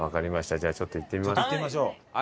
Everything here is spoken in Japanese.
じゃあちょっと行ってみます。